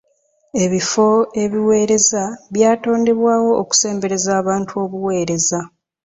Ebifo ebiweereza byatondebwawo okusembereza abantu obuweereza.